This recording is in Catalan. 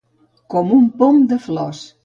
Com un pom de flors.